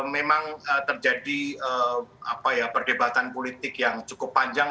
memang terjadi perdebatan politik yang cukup panjang